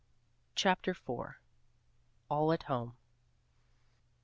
CHAPTER IV. ALL AT HOME.